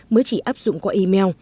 mới chỉ áp dụng qua email